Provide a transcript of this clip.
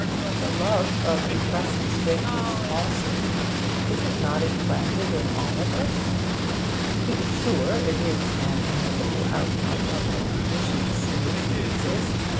The love of impressing strangers falsely, is it not implanted in all of us? To be sure, it is an inevitable outcome of the conditions in which we exist.